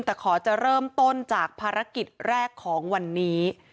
แต่ขอจะเริ่มต้นจากภารกิจแรกของวันนี้